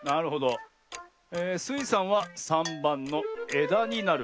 えスイさんは３ばんのえだになる。